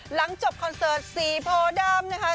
หลังจบคอนเสิร์ตสีโพดำนะคะ